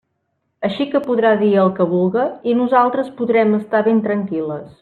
Així que podrà dir el que vulga i nosaltres podrem estar ben tranquil·les.